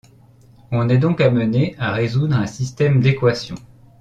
On est donc amené à résoudre un système d'équations.